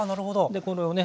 でこれをね